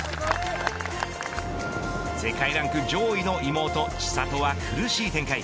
世界ランク上位の妹、千怜は苦しい展開。